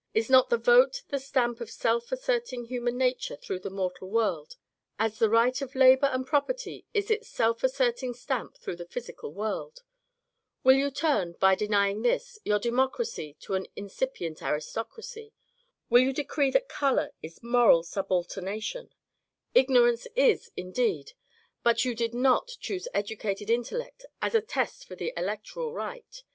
Is not the vote the stamp of self asserting human nature through the moral world, as the right of labour and property is its self asserting stamp through the physical world ? Will you turn, by denying this, your democracy to an incipient aristocracy? Will you decree that colour is moral subaltemation f Ignorance is, indeed, but you did not choose educated intellect as a test for the electoral right.